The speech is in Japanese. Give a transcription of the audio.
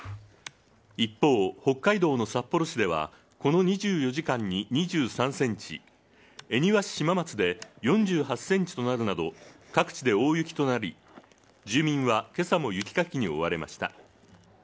一方、北海道の札幌市では、この２４時間に２３センチ、恵庭市島松で４８センチとなるなど、各地で大雪となり、住民はけさも雪かきに追われました。